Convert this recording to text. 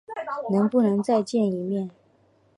能不能再见一面？